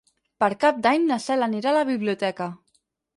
Per Cap d'Any na Cel anirà a la biblioteca.